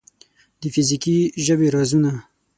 د فزیکي ژبې رازونه